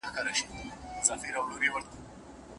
که علم خپور نه کړې نو خلګ به په تیاره کي پاته سي.